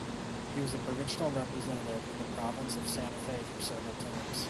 He was provincial representative in the province of Santa Fe for several terms.